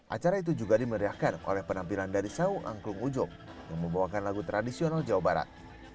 acara itu juga dimeriahkan oleh penampilan dari sawu angklung ujong yang membawakan lagu tradisional jawa barat